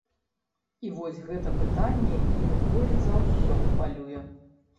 І вось гэта пытанне іх больш за ўсё хвалюе.